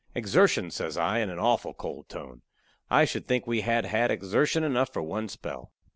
"Exertion!" says I, in a awful cold tone. "I should think we had had exertion enough for one spell."